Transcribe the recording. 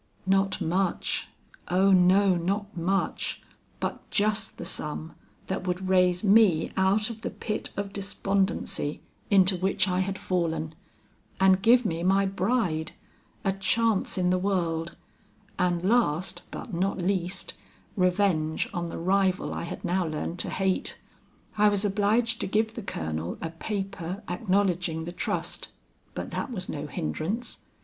"Not much; oh no, not much, but just the sum that would raise me out of the pit of despondency into which I had fallen, and give me my bride, a chance in the world, and last, but not least, revenge on the rival I had now learned to hate. I was obliged to give the colonel a paper acknowledging the trust, but that was no hindrance.